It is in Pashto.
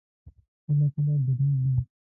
کله کله درېږي.